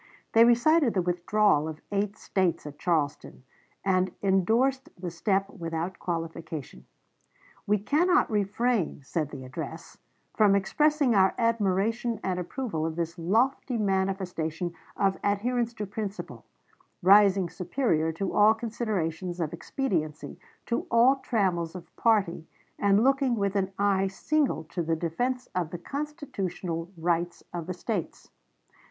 They recited the withdrawal of eight States at Charleston, and indorsed the step without qualification. "We cannot refrain," said the address, "from expressing our admiration and approval of this lofty manifestation of adherence to principle, rising superior to all considerations of expediency, to all trammels of party, and looking with an eye single to the defense of the constitutional rights of the States."